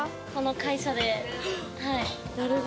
会社で。